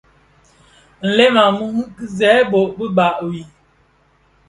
Nlem a mum ki zerbo, bi bag wii,